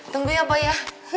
tunggu ya boy ya